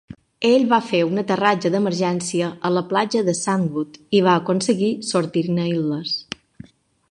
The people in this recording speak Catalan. Ell va fer un aterratge d'emergència a la platja de Sandwood i va aconseguir sortir-ne il·lès.